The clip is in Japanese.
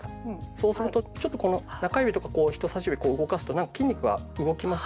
そうするとちょっとこの中指とか人さし指こう動かすとなんか筋肉が動きます？